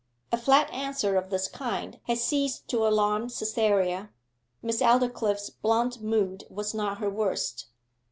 A flat answer of this kind had ceased to alarm Cytherea. Miss Aldclyffe's blunt mood was not her worst.